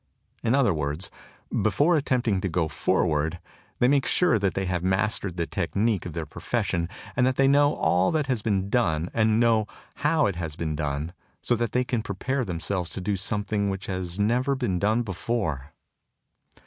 In other words, before attempting to go forward, they make sure that they have mastered the technic of their profession and that they know all that has been done and know how it has been done, so that they can prepare themselves to do something which has never been done.